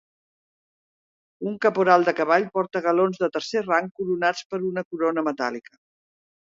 Un caporal de cavall porta galons de tercer rang coronats per una corona metàl·lica.